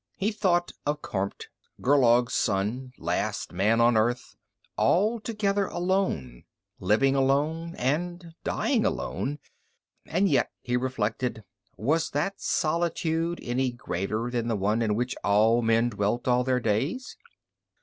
He thought of Kormt, Gerlaug's son, last man on Earth, altogether alone, living alone and dying alone; and yet, he reflected, was that solitude any greater than the one in which all men dwelt all their days?